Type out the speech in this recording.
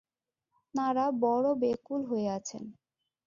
তাঁরা বড়ো ব্যাকুল হয়ে আছেন।